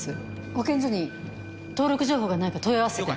保健所に登録情報がないか問い合わせて。